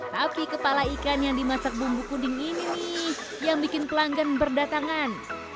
tapi kepala ikan yang dimasak bumbu kuding ini nih yang bikin pelanggan berdatangan